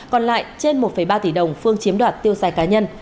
còn lại trên một ba tỷ đồng phương chiếm đoạt tiêu xài cá nhân